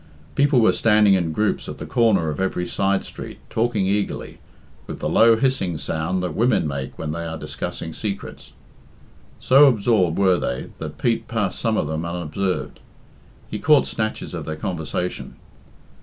People were standing in groups at the corner of every side street, talking eagerly, with the low hissing sound that women make when they are discussing secrets. So absorbed were they that Pete passed some of them unobserved. He caught snatches of their conversation.